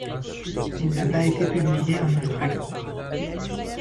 Il n'a pas été publié en Australie.